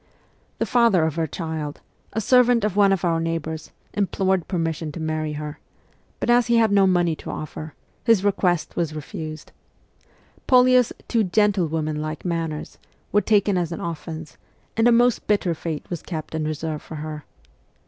The father of her child, a servant of one of our neighbours, implored permission to marry her ; but as he had no money to offer, his request was refused. Polya's ' too gentlewoman like manners ' were taken as an offence, and a most bitter fate was kept in reserve for her.